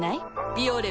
「ビオレ」